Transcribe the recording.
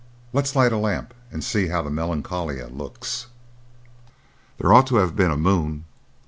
Let's light a lamp and see how the Melancolia looks. There ought to have been a moon."